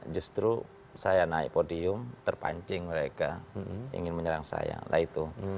justru saya naik podium terpancing mereka ingin menyerang saya lah itu